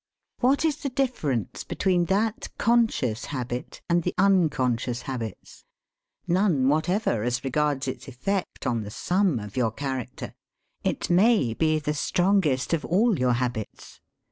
What is the difference between that conscious habit and the unconscious habits? None whatever as regards its effect on the sum of your character. It may be the strongest of all your habits.